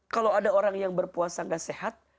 kalau ada orang yang berpuasa nggak sehat